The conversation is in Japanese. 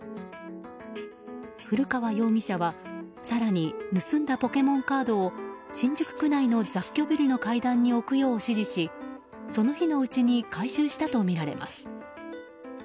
古川容疑者は更に、盗んだポケモンカードを新宿区内の雑居ビルの階段に置くよう指示しその日のうちに回収したとみられます。